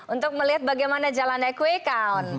untuk melihat bagaimana jalannya kwekaun